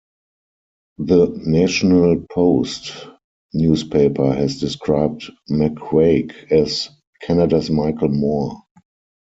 The "National Post" newspaper has described McQuaig as "Canada's Michael Moore.